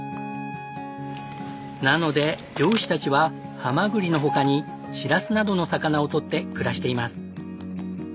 なので漁師たちはハマグリの他にしらすなどの魚を取って暮らしています。